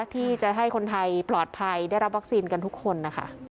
ที่จะให้คนไทยปลอดภัยได้รับวัคซีนกันทุกคนนะคะ